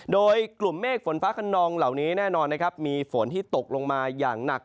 โดยกลุ่มเมฆฝนฟ้าขนองเหล่านี้แน่นอนนะครับมีฝนที่ตกลงมาอย่างหนัก